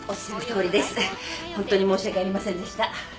ホントに申し訳ありませんでした。